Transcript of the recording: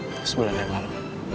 sebulan yang lalu